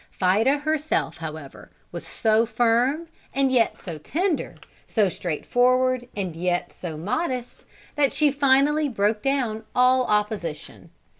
Fida herself, however, was so firm, and yet so tender; so straightforward, and yet so modest, that she finally broke down all opposition.